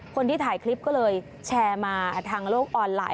คนที่ถ่ายคลิปก็เลยแชร์มาทางโลกออนไลน